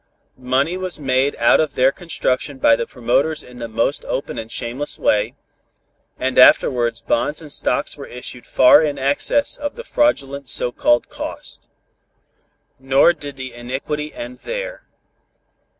Money was made out of their construction by the promoters in the most open and shameless way, and afterwards bonds and stocks were issued far in excess of the fraudulent so called cost. Nor did the iniquity end there.